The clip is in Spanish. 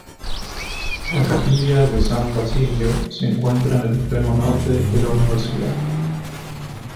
La Capilla de San Basilio se encuentra en el extremo norte de la Universidad.